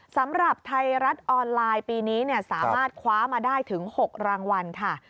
สำหรับไทยรัฐออนไลน์ปีนี้สามารถคว้ามาได้ถึง๖รางวัลค่ะ